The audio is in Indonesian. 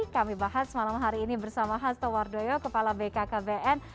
kami bahas malam hari ini bersama hasto wardoyo kepala bkkbn